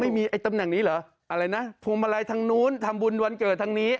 ไอ้ตำแหน่งนี้เหรออะไรนะพวงมาลัยทางนู้นทำบุญวันเกิดทางนี้